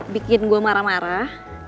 bikin gue marah marah